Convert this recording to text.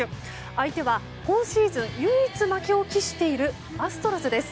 相手は、今シーズン唯一負けを喫しているアストロズです。